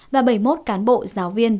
và bảy mươi một cán bộ giáo viên